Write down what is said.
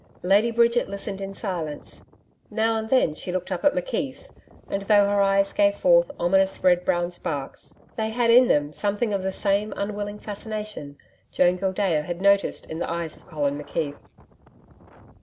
Lady Bridget listened in silence. Now and then, she looked up at McKeith, and, though her eyes gave forth ominous red brown sparks, they had in them something of the same unwilling fascination Joan Gildea had noticed in the eyes of Colin McKeith.